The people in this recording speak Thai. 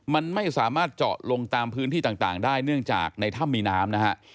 มันไม่สามารถเจาะลงตามพื้นที่ต่างได้เนื่องจากในถ้ำมีน้ำนะฮะ